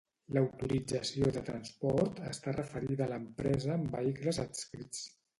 L'autorització de transport està referida a l'empresa amb vehicles adscrits.